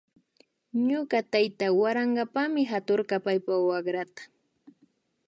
Ñuka tayta warankapami haturka paypa wakrata